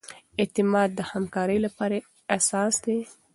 اعتماد د همکارۍ لپاره اساس دی.